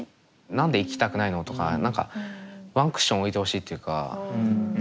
何で行きたくないの？とか何かワンクッション置いてほしいっていうか。